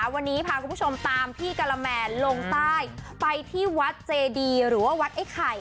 วันนี้พาคุณผู้ชมตามพี่กะละแมนลงใต้ไปที่วัดเจดีหรือว่าวัดไอ้ไข่